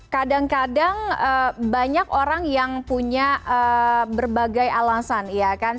kadang kadang banyak orang yang punya berbagai alasan ya kan